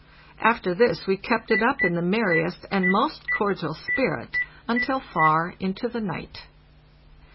After this we kept it up in the merriest and most cordial spirit un til far into the night.